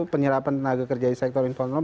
penyerapan tenaga kerja di sektor informal